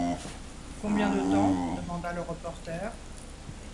Combien de temps ? demanda le reporter.